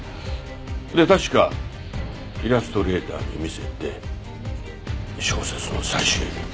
で確かイラストレーターに見せて小説の挿絵に。